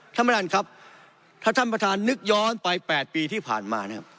ท่านประธานครับถ้าท่านประธานนึกย้อนไป๘ปีที่ผ่านมานะครับ